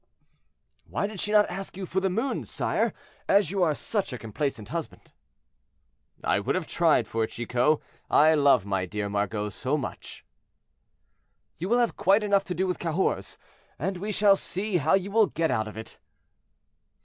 "Why did she not ask you for the moon, sire, as you are such a complaisant husband?" "I would have tried for it, Chicot, I love my dear Margot so much!" "You will have quite enough to do with Cahors, and we shall see how you will get out of it."